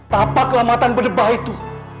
tapak kelamatan berdebah itu